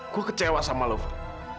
gue kecewa sama lu fad